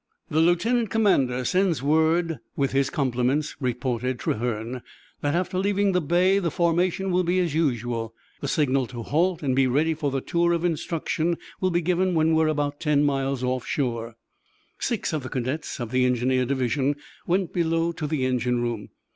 "The lieutenant commander sends word, with his compliments," reported Trahern, "that after leaving the bay the formation will be as usual. The signal to halt and be ready for the tour of instruction will be given when we're about ten miles off shore." Six of the cadets, of the engineer division, went below to the engine room.